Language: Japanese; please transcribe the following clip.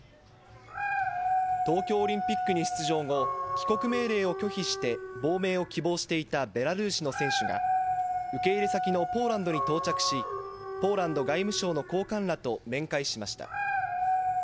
東京オリンピックに出場後、帰国命令を拒否して亡命を希望していたベラルーシの選手が受け入れ先のポーランドに到着し、ポーランド外務省の高官らと面会しました。